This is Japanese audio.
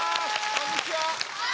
こんにちは！